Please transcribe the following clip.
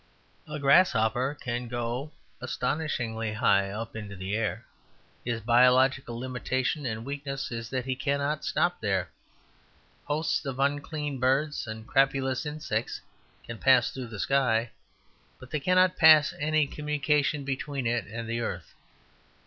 A grasshopper can go astonishingly high up in the air, his biological limitation and weakness is that he cannot stop there. Hosts of unclean birds and crapulous insects can pass through the sky, but they cannot pass any communication between it and the earth.